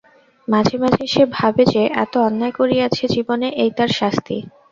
মাঝে মাঝে সে ভাবে যে, যত অন্যায় করিয়াছে জীবনে এই তার শাস্তি!